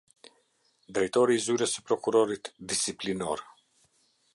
Drejtori i Zyrës së Prokurorit Disiplinor.